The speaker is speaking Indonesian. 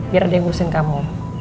biar dia ngurusin kamu